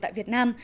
tại việt nam